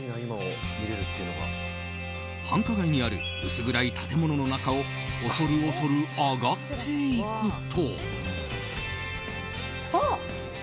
繁華街にある薄暗い建物の中を恐る恐る上がっていくと。